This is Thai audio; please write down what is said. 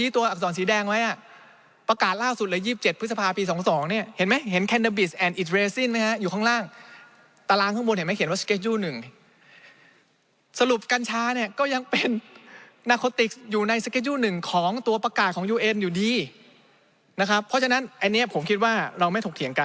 ๑๒๓๔แต่เรียงไม่เหมือนเมืองไทย